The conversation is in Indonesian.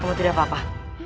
kamu tidak apa apa